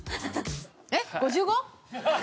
えっ５５！？